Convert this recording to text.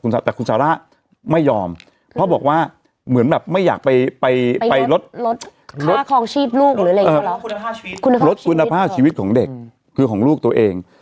แต่คุณสาระไม่ยอมเพราะบอกว่าเหมือนแบบไม่อยากไปลดคุณภาพชีวิตของเด็กคือของลูกตัวเอง